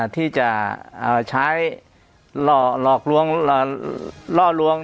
ที่จะใช้ซ้อนอนร่องนี้นะครับ